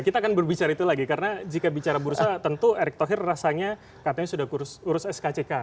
kita akan berbicara itu lagi karena jika bicara bursa tentu erick thohir rasanya katanya sudah urus skck